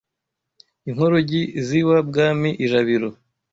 Inkorogi iz'iwa Bwami ijabiro